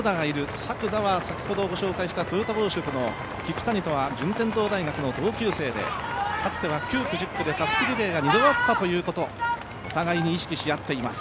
作田は豊田織機の聞谷とは順天堂大学の同級生でかつては９区、１０区でたすきリレーがにぎわったということ、お互いに意識し合っています、